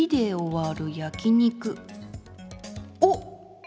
おっ！